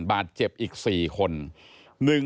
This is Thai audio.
บาดเจ็บอีก๔คน